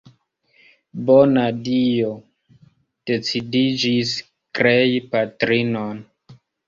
Bona Dio decidiĝis krei patrinon.